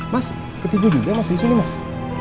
mas ketipu juga mas disini mas